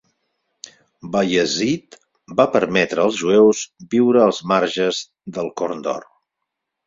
Bayezid va permetre els jueus viure als marges del Corn d'Or.